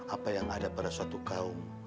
apa yang ada pada suatu kaum